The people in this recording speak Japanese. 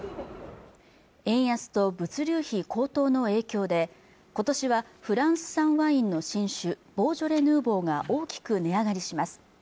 円安と物流費高騰の影響で今年はフランス産ワインの新酒ボージョレ・ヌーボーが大きく値上がりします